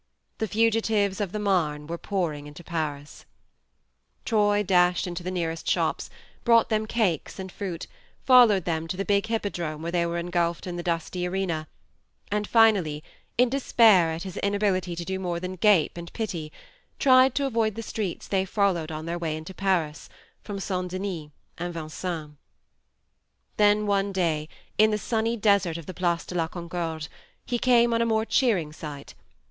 The fugitives of the Marne were pouring into Paris. Troy dashed into the nearest shops, bought them cakes and fruit, followed them to the big hippodrome where they were engulfed in the dusty arena, and finally, in despair at his inability to do more than gape and pity, tried to avoid the streets they followed on their way into Paris from St. Denis and Vincennes. THE MARNE 23 Then one day, in the sunny desert of the Place de la Concorde, he came on a more cheering sight.